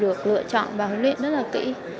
được lựa chọn bằng luyện rất là kỹ